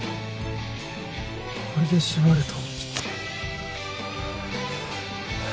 これで縛ると。